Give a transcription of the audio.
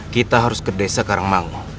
kita harus ke desa karangmangu